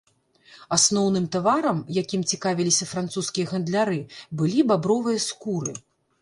Асноўным таварам, якім цікавіліся французскія гандляры, былі бабровыя скуры.